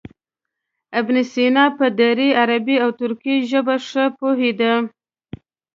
ابن سینا په دري، عربي او ترکي ژبو ښه پوهېده.